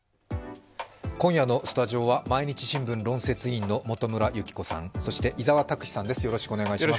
今夜のスタジオは毎日新聞論説委員の元村有希子さん、そして伊沢拓司さんです。